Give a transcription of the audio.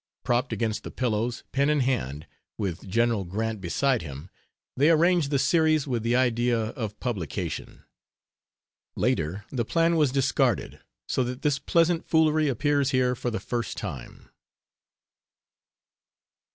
Propped against the pillows, pen in hand, with General Grant beside him, they arranged the series with the idea of publication. Later the plan was discarded, so that this pleasant foolery appears here for the first, time.